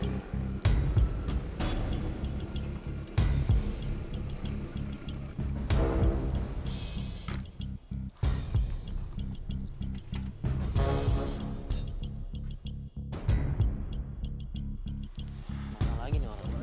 tidak ada lagi nih orang